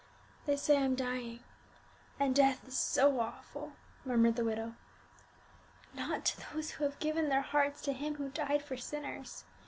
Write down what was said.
"They say I'm dying and death is so awful!" murmured the widow. "Not to those who have given their hearts to Him who died for sinners!"